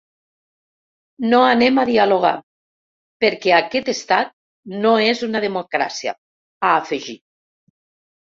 No anem a dialogar, perquè aquest estat no és una democràcia, ha afegit.